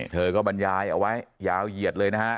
เธอก็บรรยายเอาไว้ยาวเหยียดเลยนะฮะ